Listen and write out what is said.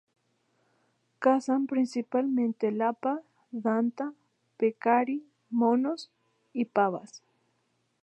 Cazan, principalmente lapa, danta, pecarí, monos y pavas.